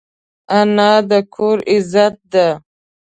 انا د کور عزت ده